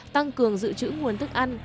tăng cường dự trữ nguồn thức ăn